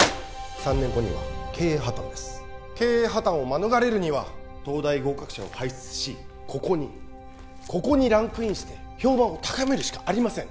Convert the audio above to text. ３年後には経営破綻です経営破綻を免れるには東大合格者を輩出しここにここにランクインして評判を高めるしかありません